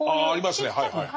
あありますね。